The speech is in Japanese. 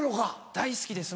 大好きです。